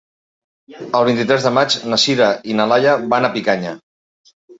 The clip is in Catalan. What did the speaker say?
El vint-i-tres de maig na Sira i na Laia van a Picanya.